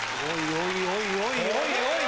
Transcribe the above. おいおいおい。